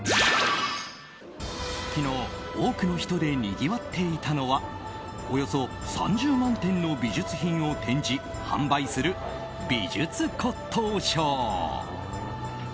昨日、多くの人でにぎわっていたのはおよそ３０万点の美術品を展示・販売する美術骨董ショー。